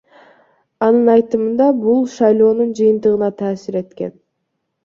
Анын айтымында, бул шайлоонун жыйынтыгына таасир эткен.